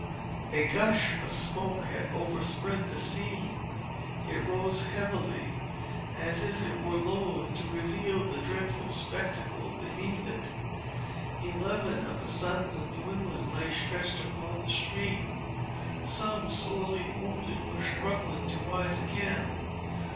A gush of smoke had overspread the scene. It rose heavily, as if it were loath to reveal the dreadful spectacle beneath it. Eleven of the sons of New England lay stretched upon the street. Some, sorely wounded, were struggling to rise again.